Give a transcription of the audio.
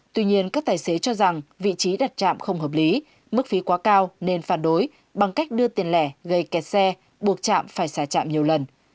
tuy nhiên các tài xế cho rằng vị trí đặt trạm không hợp lý mức phí quá cao nên phản đối bằng cách đưa tiền lẻ gây kẹt xe buộc chạm phải xả trạm nhiều lần